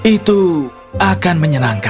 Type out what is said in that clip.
itu akan menyenangkan